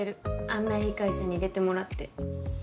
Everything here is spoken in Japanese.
あんないい会社に入れてもらって。